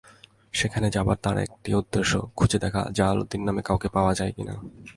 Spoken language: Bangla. সেখানে যাবার তাঁর একটি উদ্দেশ্য, খুঁজে দেখা-জালালউদ্দিন নামে কাউকে পাওয়া যায় কি না।